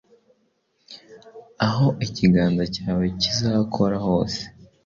aho ikiganza cyawe kizakora hose,